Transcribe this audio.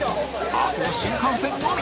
あとは新幹線のみ！